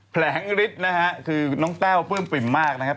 แผลงฤทธิ์นะฮะคือน้องแต้วปลื้มปริ่มมากนะครับ